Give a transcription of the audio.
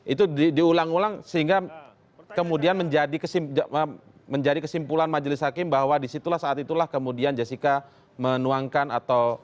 itu diulang ulang sehingga kemudian menjadi kesimpulan majelis hakim bahwa disitulah saat itulah kemudian jessica menuangkan atau